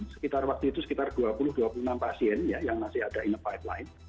sekitar waktu itu sekitar dua puluh dua puluh enam pasien ya yang masih ada in a pipeline